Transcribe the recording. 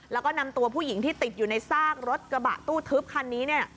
แล้วก็นำตัวผู้หญิงที่ติดอยู่ในซากรถกระบะตู้ทึบคันนี้เนี่ย